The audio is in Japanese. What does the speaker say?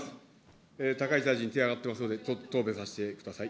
高市大臣、手挙がってますので、答弁させてください。